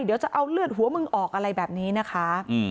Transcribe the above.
เดี๋ยวจะเอาเลือดหัวมึงออกอะไรแบบนี้นะคะ